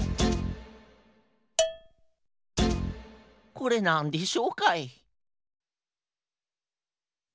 これなんでしょうかい？